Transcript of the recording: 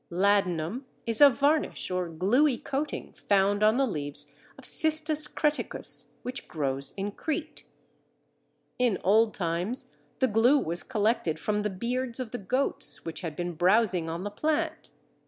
Ladanum is a varnish or gluey coating found on the leaves of Cistus creticus, which grows in Crete. In old times the glue was collected from the beards of the goats which had been browsing on the plant.